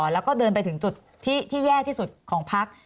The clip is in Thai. แล้วก็เดินไปถึงจุดที่แย่ที่สุดของพัก